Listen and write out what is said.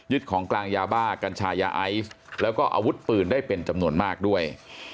ของกลางยาบ้ากัญชายาไอซ์แล้วก็อาวุธปืนได้เป็นจำนวนมากด้วย